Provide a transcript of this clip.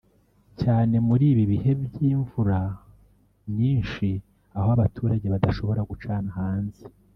cyane muri ibi bihe by’imvura nyinshi aho abaturage badashobora gucana hanze